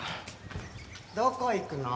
どこ行くの？